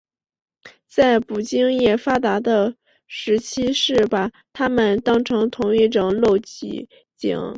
在捕鲸业发达的时期是把它们当成同一种露脊鲸。